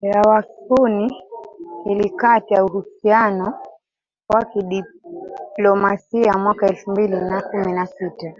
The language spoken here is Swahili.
ya wasunni ilikata uhusiano wa kidiplomasia mwaka elfu mbili na kumi na sita